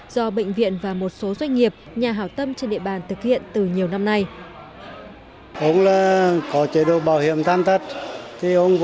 do bệnh viện và một số doanh nghiệp nhà hảo tâm trên địa bàn thực hiện từ nhiều năm nay